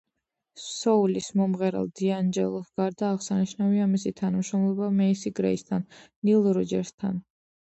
სოულის მომღერალ დიანჯელოს გარდა აღსანიშნავია მისი თანამშრომლობა მეისი გრეისთან, ნილ როჯერსთან.